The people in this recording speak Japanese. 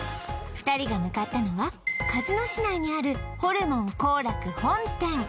２人が向かったのは鹿角市内にあるホルモン幸楽本店